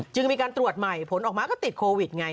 จึงมีการตรวจใหม่ผลออกมาก็ติดโควิดไง